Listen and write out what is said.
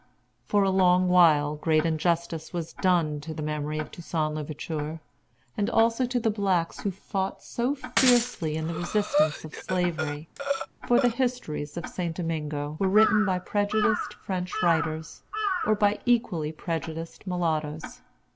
For a long while great injustice was done to the memory of Toussaint l'Ouverture, and also to the blacks who fought so fiercely in resistance of Slavery; for the histories of St. Domingo were written by prejudiced French writers, or by equally prejudiced mulattoes.